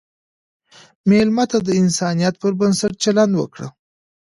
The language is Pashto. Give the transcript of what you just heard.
مېلمه ته د انسانیت پر بنسټ چلند وکړه.